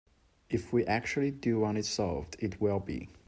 If we actually do want it solved, it will be.